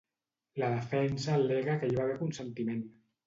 La defensa al·lega que hi va haver consentiment.